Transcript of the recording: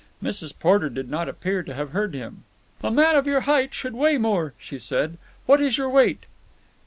Mrs. Porter did not appear to have heard him. "A man of your height should weigh more," she said. "What is your weight?"